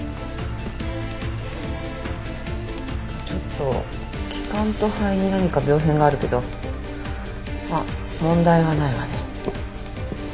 ちょっと気管と肺に何か病変があるけどまあ問題はないわね。